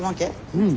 うん。